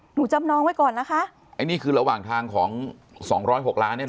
จำนองไว้ก่อนนะคะไอ้นี่คือระหว่างทางของสองร้อยหกล้านเนี่ยนะ